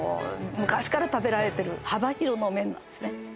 昔から食べられてる幅広の麺なんですね